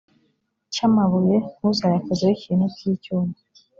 cy amabuye ntuzayakozeho ikintu cy icyuma